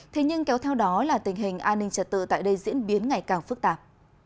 thế nhưng kéo theo đó là tình hình an ninh trật tự tại đây diễn biến ngày càng phức tạp